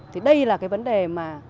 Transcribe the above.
thì đây là cái vấn đề mà